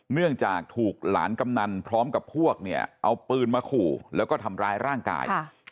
เนื่องจากถูกหลานกำนันพร้อมกับพวกเนี่ยเอาปืนมาขู่แล้วก็ทำร้ายร่างกาย